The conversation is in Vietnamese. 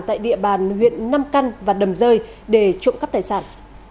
tại địa bàn huyện nam căn và đầm rơi để trộm cắp tài sản